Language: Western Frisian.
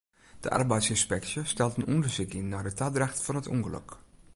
De arbeidsynspeksje stelt in ûndersyk yn nei de tadracht fan it ûngelok.